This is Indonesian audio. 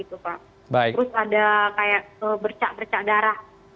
terus ada kayak bercak bercak darah